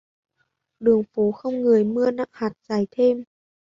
Đường phố không người mưa nặng hạt dày thêm